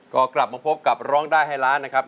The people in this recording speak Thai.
ก็กลับมาพบกับร้องได้ให้ล้านนะครับ